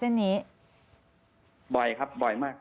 พอที่ตำรวจเขามาขอ